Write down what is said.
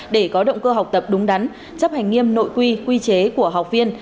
để có động cơ học tập đúng đắn chấp hành nghiêm nội quy quy chế của học viên